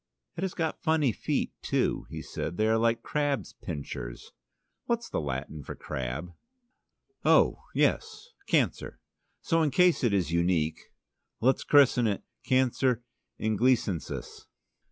"It has got funny feet, too," he said. "They are like crabs' pincers. What's the Latin for crab?" "Oh, yes, Cancer. So in case it is unique, let's christen it: 'Cancer Inglisensis.'"